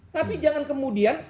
tapi jangan kemudian